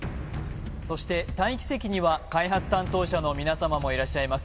そして待機席には開発担当者の皆様もいらっしゃいます